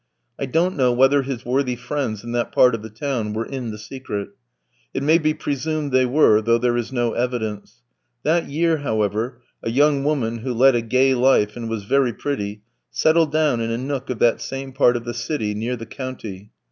I don't know whether his worthy friends in that part of the town were in the secret. It may be presumed they were, though there is no evidence. That year, however, a young woman who led a gay life and was very pretty, settled down in a nook of that same part of the city, near the county.